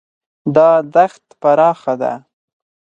دا دښت پراخه ده.